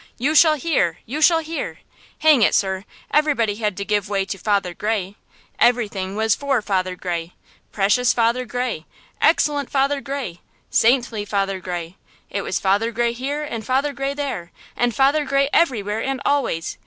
You shall hear! You shall hear! Hang it, sir, everybody had to give way to Father Gray! Everything was for Father Gray! Precious Father Gray! Excellent Father Gray! Saintly Father Gray! It was Father Gray here and Father Gray there, and Father Gray everywhere and always!